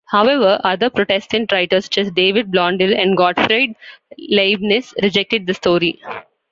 However, other Protestant writers, such as David Blondel and Gottfried Leibniz, rejected the story.